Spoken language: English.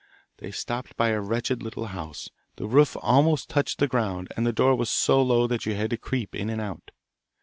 They stopped by a wretched little house; the roof almost touched the ground, and the door was so low that you had to creep in and out.